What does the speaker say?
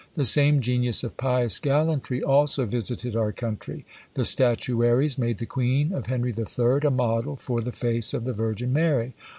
The same genius of pious gallantry also visited our country. The statuaries made the queen of Henry III. a model for the face of the Virgin Mary.